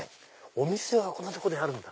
お店がこんなとこにあるんだ。